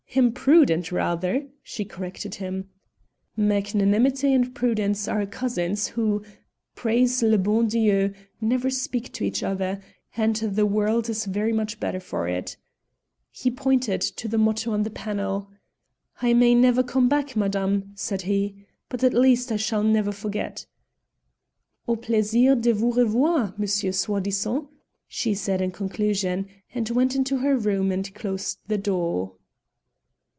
"Imprudent, rather," she corrected him. "Magnanimity and Prudence are cousins who, praise le bon Dieu! never speak to each other, and the world is very much better for it." He pointed to the motto on the panel. "I may never come back, madame," said he, "but at least I shall never forget." "Au plaisir de vous revoir, Monsieur Soi disant," she said in conclusion, and went into her room and closed the door.